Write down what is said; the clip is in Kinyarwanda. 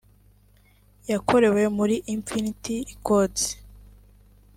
yakorewe muri Infinity Records